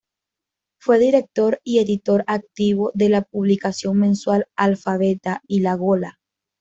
Fue director y editor activo de la publicación mensual Alfabeta y La Gola.